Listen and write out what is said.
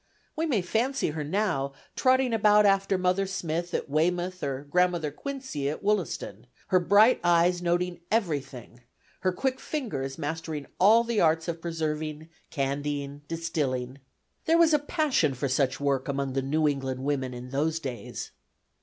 We may fancy her now, trotting about after Mother Smith at Weymouth or Grandmother Quincy at Wollaston, her bright eyes noting everything, her quick fingers mastering all the arts of preserving, candying, distilling. There was a passion for such work among the New England women in those days.